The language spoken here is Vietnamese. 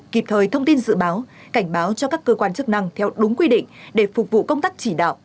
kịp thời thông tin dự báo cảnh báo cho các cơ quan chức năng theo đúng quy định để phục vụ công tác chỉ đạo